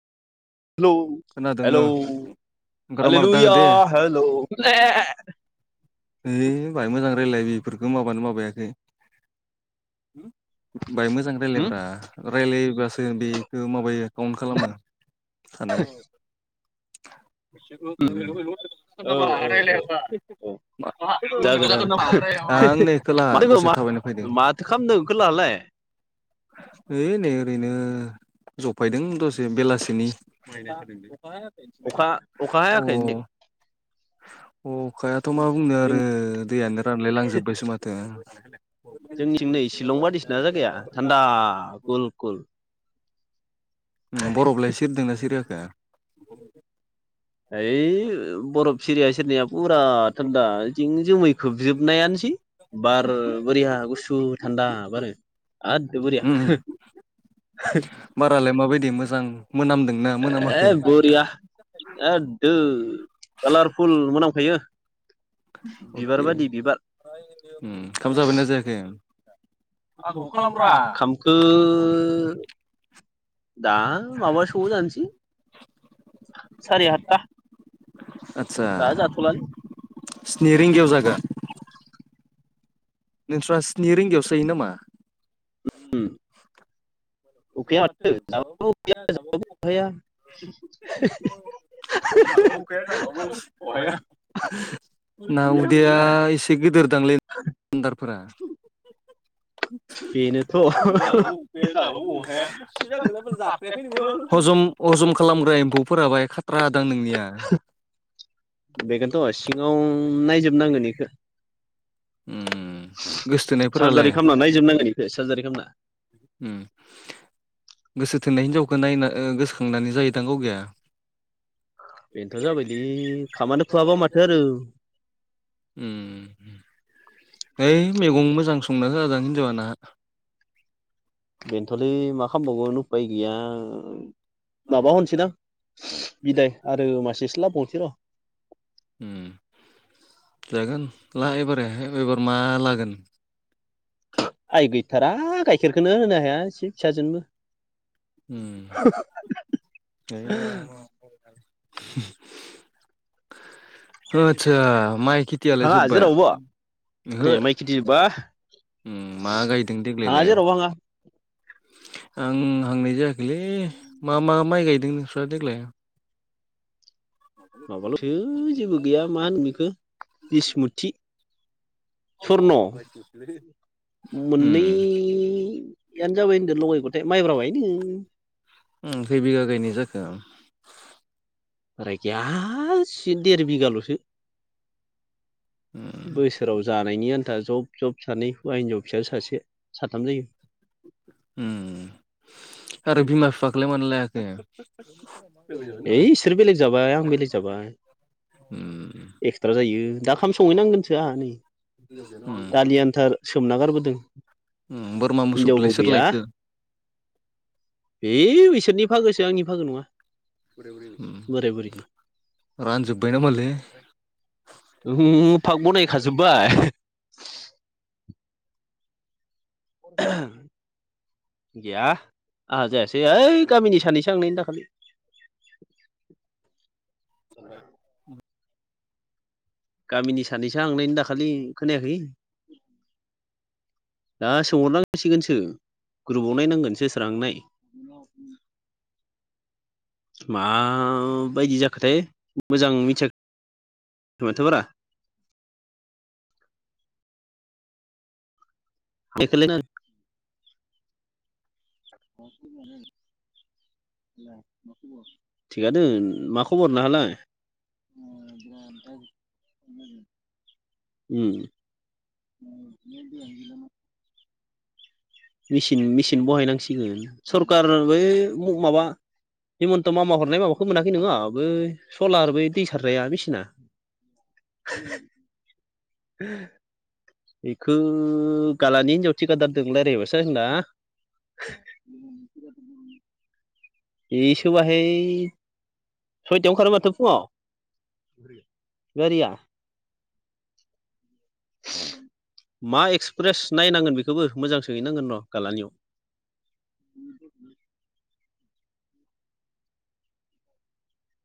हेल' hello आ लुया hello मे ए ए ओइ बाहाय मोजां रायजलाय बेफोरखौ मावाबानो माबायाखै। बाहाय मोजां रायलायब्रा रायलायोबासो बेखौ माबायो काउन्ट खालामो सानो। [unintelligible] [unintelligible] आं नै खोला दसे थाबायनो फैदों। ओइ नै ओरैनो जफायदों दसे बेलासिनि अखा अखा हायाखै नोंथिं अ अखायाथ' मा बुंनो आरो दैयानो रानलाय लांजोबबायसो माथो जों नै शिलं बायदिसिना जायगाया थान्दा खुल खुल उम बरफलाय सिरिदोंना सिरियाखै? ओइ बरफ सिरिया सिरिनाया फुरा थान्दा जोमै खोबजोबनायानोसै बार बोरिया गुसु थान्दा बार आरोद बरुरिया [unintelligible] बारालाय माबायदि मोजां मोनामदों ए बरिया एद कालारफुल [unintelligible] बिबार बायदि बिबार उम ओंखाम जाबायना जायाखै ओंखामखो दा माबा सोआव जानोसै सारि आतथा दा जाथ'लालै स्नि रिंगायाव जागोन नोंस्रा स्नि रिंगायावसो जायो नामा? उम उखैया माथो जाबाबो उखैया जाबाबो उखाया [unintelligible] गिदिरदां लै बान्दारफोरा [unintelligible] हजम अजम खालामग्रा एम्फौफोराबाहाय खाथ्रा दां नोंनिया बेखौनोथ' सिङाव नायजोबनांगोन बेखौ सार्जारि खालामना नायजोब नांगोन बेखौ सार्जारि खालामना उम गोसो थोननाय हिनजावखौ नायना गोसोखांनानै जायोदां गावगाया बेनोथ' जाबायलै खामानो खुआबा माथो आरो उम है ओइ मैगं मोजां संना हो आदां हिनजावानहा बेनोथलै मा खालामबावगोन उफाय गैया माबा होनसैदां बिदाय आरो मासेस्लाबंनोसै र' उम जागोन ला एबारो एबार मा लागोन आइ गैथारा गाइखेरखौनो होनो हाया एसे फिसाजोनबो उम [unintelligible] आतसा माइ खेथियालाय जोबबाय ओहो मा गायदों देग्लायलाय आं हांनाय जायाखैलै मा मा माइ गायदों नोंस्रा देग्लाय माबाल'सो जेबो गैया मा होनो बेखौ बिसमुथि [unintelligible] मोननैयानो जाबाय होनदों लगायगथाय माइब्राबायनो खै बिघा गायनाय जाखो आ बारा गैया सिथ देर बिघाल'सो उम बोसोराव जानायनि आन्था जब जब सानै हौवा हिनजाव फिसाजो सासे साथाम जायो उम आरो बिमा फिफाखौलाय मानो लायाखै है इसोर बेलेग जाबाय आं बेलेग जाबाय उम एक्सट्रा जायो दाओंखाम संहैनांगोनसो आं नै दालि आनथा सोमना गारबोदों। बोरमा मोसौखौलाय सोर लायगोन? ओ? बिसोरनि फागोसो आंनि फागो नङा। रानजोबबाय नामालै? ओ पाग बनायखाजोब्बाय। गैया आंहा जायासै ओइ गामिनि सानैसो हांनायनो दाखालि। [inaudible] गामिनि सानैसो हांनायनो दाखालि। खोनायाखै? दा सोंहरनांसिगोनसो, ग्रुबावनाय नांगोनसो सोर सोर हांनाय। माबायदि जाखोथाय मोजां मिथिया [unintelligible] [unintelligible] [unintelligible] थिगानो लोङो। मा खबर नहालाय? [unintelligible] ओ। मसिन मेसिन बहायनांसिगोन सरखार ओइ माबा हिमन्त' मामा हरनाय माबाखौ मोनाखै नोङा बै सलार बै दै सारग्रा मेसिना। [unintelligible] [unintelligible] बेखौ गालानि हिनजाव थिकादारदों रालायबासो जागोदान। इसो बाहाय सयथायावनो खारो माथो फुङाव। गारिया [inaudible] मा एक्सप्रेस नायनांगोन बेखौबो मोजां सोहैनांगोन र' गालानियाव।